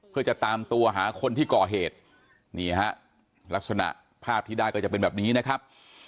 เพื่อจะตามตัวหาคนที่ก่อเหตุนี่ฮะลักษณะภาพที่ได้ก็จะเป็นแบบนี้นะครับ